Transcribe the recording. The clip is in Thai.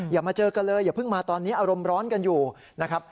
มาเจอกันเลยอย่าเพิ่งมาตอนนี้อารมณ์ร้อนกันอยู่นะครับ